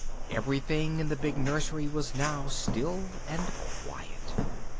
Everything in the big nursery was now still and quiet.